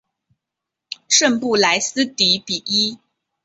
圣布莱斯迪比伊。